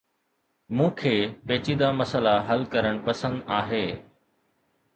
مون کي پيچيده مسئلا حل ڪرڻ پسند آهي